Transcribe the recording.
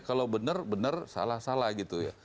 kalau benar benar salah salah gitu ya